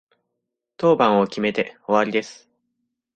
当番を決めて終わりです。